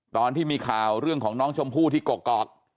ตอนที่มีข่าวเรื่องของน้องชมพู่ที่กกอก